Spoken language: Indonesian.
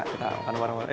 kita makan bareng bareng